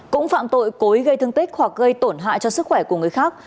cũng phạm tội cố ý gây thương tích hoặc gây tổn hại cho sức khỏe của người khác